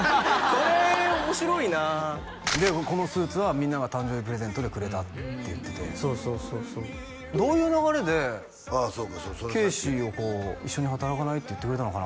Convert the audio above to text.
これ面白いなこのスーツはみんなが誕生日プレゼントでくれたって言っててそうそうそうそうどういう流れで圭史をこう一緒に働かない？って言ってくれたのかな